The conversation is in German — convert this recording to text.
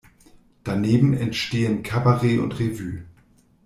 Daneben entstehen Kabarett und Revue.